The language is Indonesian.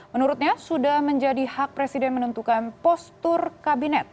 menurutnya sudah menjadi hak presiden menentukan postur kabinet